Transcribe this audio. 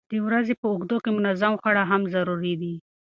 د ورځې په اوږدو کې منظم خواړه هم ضروري دي.